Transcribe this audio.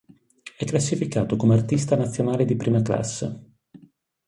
È classificato come artista nazionale di prima classe.